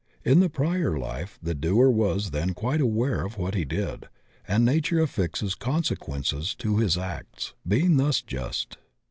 In the prior life the doer was tiien quite aware of what he did, and nature aflSxes consequences to his acts, being thus just.